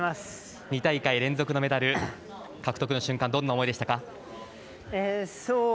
２大会連続のメダル獲得の瞬間どんな思いでしたか。